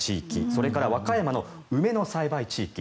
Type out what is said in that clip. それから和歌山の梅の栽培地域